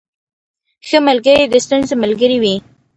• ښه ملګری د ستونزو ملګری وي.